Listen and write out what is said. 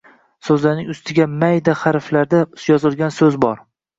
so‘zlarning ustida ma-a-ayda harflarda yozilgan so‘z bor